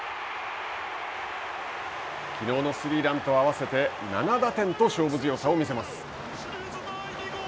きのうのスリーランとあわせて７打点と勝負強さを見せます。